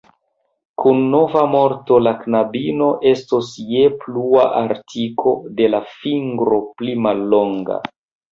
Kun nova morto la knabino estos je plua artiko de la fingro pli mallonga.